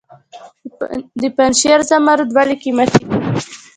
د پنجشیر زمرد ولې قیمتي دي؟